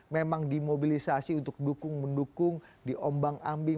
memang dimobilisasi untuk mendukung di ombang ambing